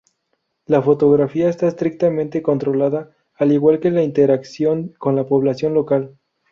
La fotografía está estrictamente controlada, al igual que la interacción con la población local.